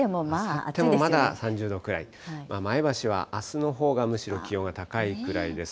まだ３０度くらい、前橋はあすのほうがむしろ気温が高いぐらいです。